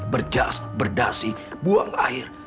berja'as berdasi buang air